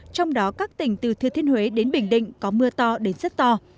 trong đó các tỉnh từ thừa thiên huế đến bình định có mưa to đến rất to